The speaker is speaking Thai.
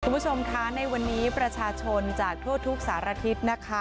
คุณผู้ชมคะในวันนี้ประชาชนจากทั่วทุกสารทิศนะคะ